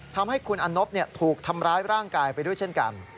ทำให้คุณอนบถูกทำร้ายร่างกายไปด้วยเช่นกัน